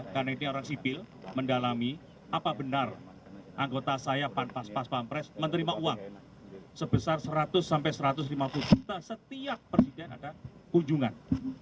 karena ini orang sipil mendalami apa benar anggota saya pas pampres menerima uang sebesar seratus satu ratus lima puluh juta setiap persidangan ada ujungan